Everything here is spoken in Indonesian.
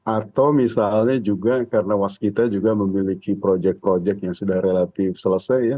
atau misalnya juga karena woskita juga memiliki project project yang sudah relatif selesai ya